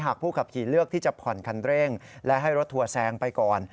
ผู้ขับขี่เลือกที่จะผ่อนคันเร่งและให้รถทัวร์แซงไปก่อน